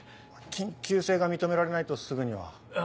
緊急性が認められないとすぐには。